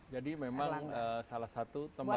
jadi memang salah satu tembakau